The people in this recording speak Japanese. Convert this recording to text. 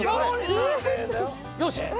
よし！